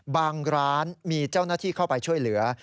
บางร้านมีเจ้าหน้าที่เข้าไปช่วยเหลือ